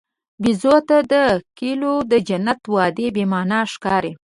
بیزو ته د کیلو د جنت وعده بېمعنی ښکاري.